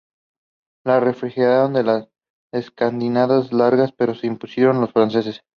La refriega fue encarnizada y larga, pero se impusieron los franceses.